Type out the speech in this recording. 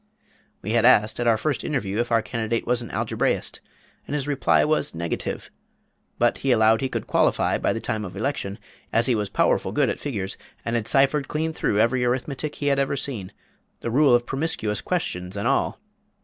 _" We had asked, at our first interview, if our candidate was an algebraist, and his reply was negative; but, "he allowed he could 'qualify' by the time of election, as he was powerful good at figures, and had cyphered clean through every arithmetic he had ever seen, the rule of promiscuous questions and all!"